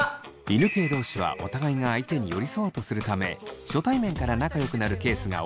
犬系同士はお互いが相手に寄り添おうとするため初対面から仲良くなるケースが多いといいます。